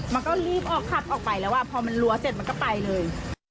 มันก็รีบออกขับออกไปแล้วพอมันรั้วเสร็จมันก็ไปเลย